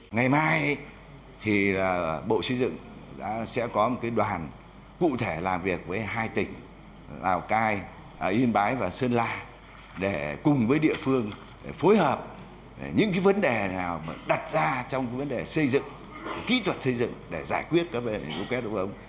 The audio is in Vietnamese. ngày mai thì bộ xây dựng sẽ có một cái đoàn cụ thể làm việc với hai tỉnh lào cai yên bái và sơn la để cùng với địa phương phối hợp những cái vấn đề nào đặt ra trong cái vấn đề xây dựng kỹ thuật xây dựng để giải quyết các vấn đề lũ quét đúng không